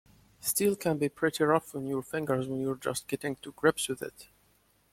Steel can be pretty rough on your fingers when you're just getting to grips with it.